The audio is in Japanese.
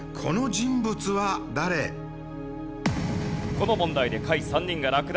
この問題で下位３人が落第。